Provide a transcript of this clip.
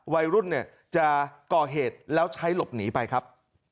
วัยรุ่นเนี่ยจะก่อเหตุแล้วใช้หลบหนีไปครับ